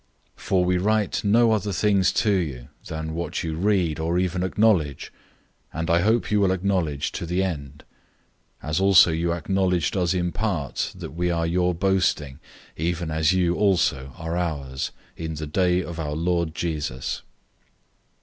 001:013 For we write no other things to you, than what you read or even acknowledge, and I hope you will acknowledge to the end; 001:014 as also you acknowledged us in part, that we are your boasting, even as you also are ours, in the day of our Lord Jesus.